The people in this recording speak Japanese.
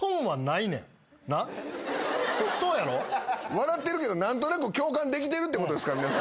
笑ってるけど何となく共感できてるってことですか皆さん。